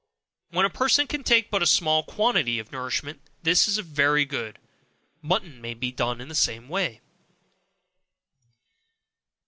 When a person can take but a small quantity of nourishment, this is very good. Mutton may be done in the same way.